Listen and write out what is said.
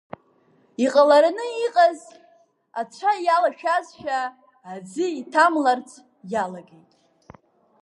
Иҟалараны иҟаз ацәа иалашәазшәа, аӡы иҭамларц иалагеит.